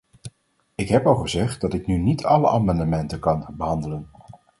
Ik heb al gezegd dat ik nu niet alle amendementen kan behandelen.